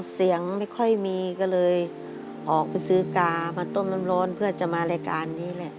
เสียงไม่ค่อยมีก็เลยออกไปซื้อกามาต้มน้ำร้อนเพื่อจะมารายการนี้แหละ